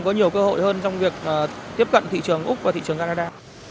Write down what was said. có nhiều cơ hội hơn trong việc tiếp cận thị trường úc và thị trường canada